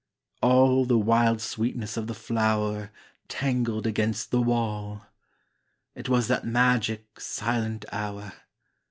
All the wild sweetness of the flower Tangled against the wall. It was that magic, silent hour....